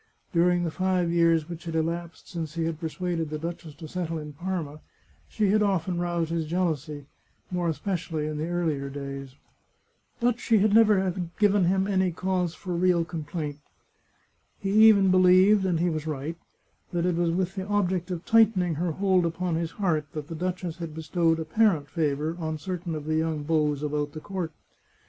During the five years which had elapsed since he had persuaded the duchess to settle in Parma, she had often roused his jealousy, more especially in the earlier days. But she had never given him any cause for real complaint. He even believed, and he was right, that it was with the object of tightening her hold upon his heart that the duchess had bestowed apparent favour on certain of the young beaux about the court.